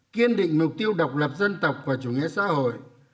kiên định mục tiêu độc lập dân tộc và chủ nghĩa xã hội